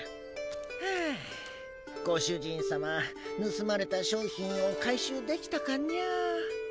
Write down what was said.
はあご主人様ぬすまれた商品を回収できたかにゃ。